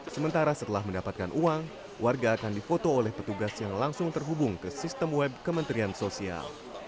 sementara setelah mendapatkan uang warga akan difoto oleh petugas yang langsung terhubung ke sistem web kementerian sosial